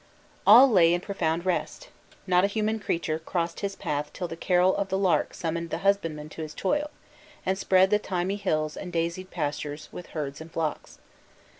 All lay in profound rest not a human creature crossed his path till the carol of the lark summoned the husbandman to his toil, and spread the thymy hills and daisied pastures with herds and flocks.